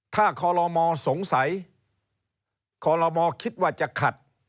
ถ้าคลมสงสัยคลมคิดว่าจะขัด